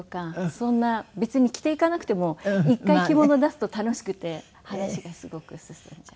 そんな別に着ていかなくても１回着物を出すと楽しくて話がすごく進んじゃう。